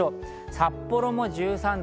札幌も１３度。